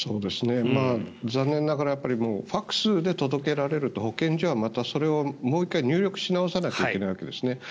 残念ながらファクスで届けられると保健所はまたそれをもう１回入力し直さなきゃいけないわけですね。